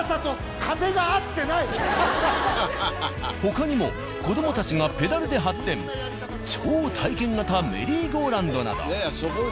他にも子どもたちがペダルで発電超体験型メリーゴーランドなど。